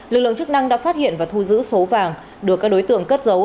lực lượng chức năng đã phát hiện và thu giữ số vàng được các đối tượng cất giấu